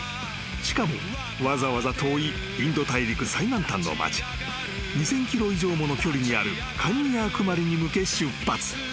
［しかもわざわざ遠いインド大陸最南端の町２，０００ｋｍ以上もの距離にあるカンニヤークマリに向け出発］